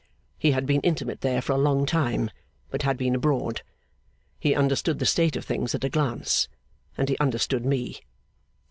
He had been intimate there for a long time, but had been abroad. He understood the state of things at a glance, and he understood me.